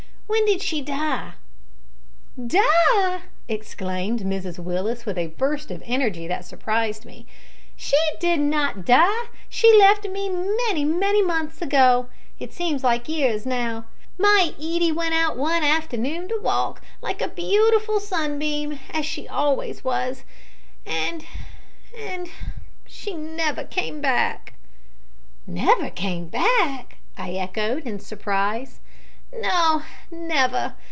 When did she die?" "Die!" exclaimed Mrs Willis with a burst of energy that surprised me "she did not die! She left me many, many months ago, it seems like years now. My Edie went out one afternoon to walk, like a beautiful sunbeam as she always was, and and she never came back!" "Never came back!" I echoed, in surprise. "No never.